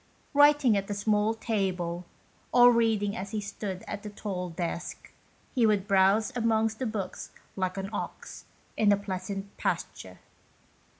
Writing at a small table, or reading as he stood at a tall desk, he would browse amongst the books like an ox in a pleasant pasture.